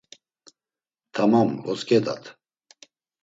Tamam votzǩedat.